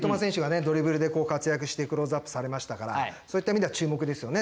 ドリブルでこう活躍してクローズアップされましたからそういった意味では注目ですよね